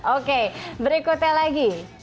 oke berikutnya lagi